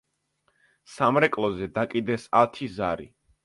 სამრეკლოზე დაკიდეს ათი ზარი.